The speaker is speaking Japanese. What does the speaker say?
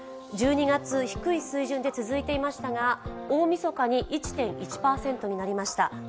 １２月、低い水準で続いていましたが大みそかに１．１％になりました。